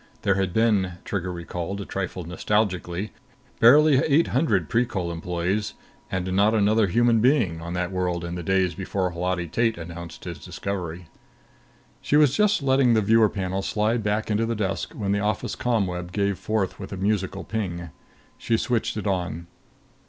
There had been, Trigger recalled, a trifle nostalgically, barely eight hundred Precol employees, and not another human being, on that world in the days before Holati Tate announced his discovery. She was just letting the viewer panel slide back into the desk when the office ComWeb gave forth with a musical ping. She switched it on.